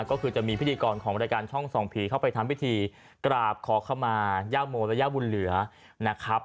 ก็คือจะมีพิธีกรของรายการช่องส่องผีเข้าไปทำพิธีกราบขอเข้ามาย่าโมและย่าบุญเหลือนะครับ